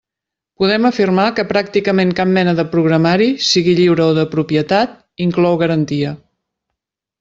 Podem afirmar que pràcticament cap mena de programari, sigui lliure o de propietat, inclou garantia.